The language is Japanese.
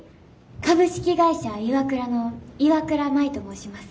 株式会社ＩＷＡＫＵＲＡの岩倉舞と申します。